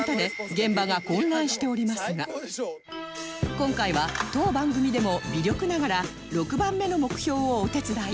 今回は当番組でも微力ながら６番目の目標をお手伝い